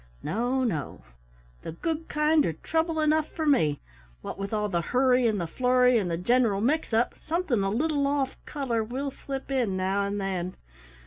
No, no; the good kind are trouble enough for me. What with the hurry and the flurry and the general mix up, something a little off color will slip in now and then.